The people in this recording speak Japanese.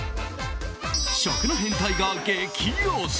食の変態が激推し！